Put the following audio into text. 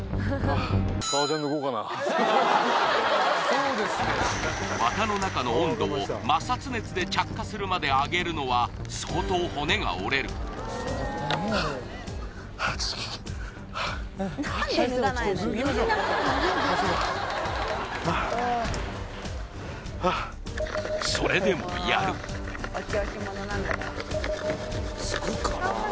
これを綿の中の温度を摩擦熱で着火するまで上げるのは相当骨が折れるそれでもやるあっ